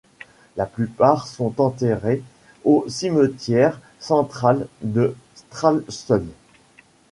La plupart sont enterrés au cimetière central de Stralsund.